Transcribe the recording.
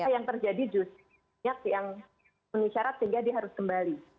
yang terjadi justru yang menisyarat sehingga dia harus kembali